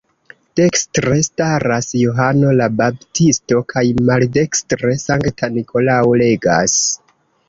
Dekstre staras Johano la Baptisto, kaj maldekstre Sankta Nikolao legas.